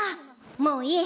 もういい！